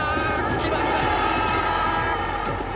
決まりました。